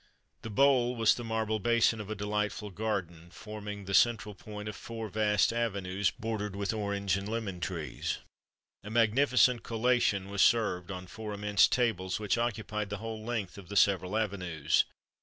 The bowl was the marble basin of a delightful garden, forming the central point of four vast avenues, bordered with orange and lemon trees. A magnificent collation was served on four immense tables, which occupied the whole length of the several avenues.